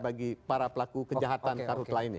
bagi para pelaku kejahatan karut lainnya